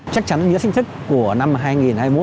chắc chắn nghĩa chính thức của năm hai nghìn hai mươi một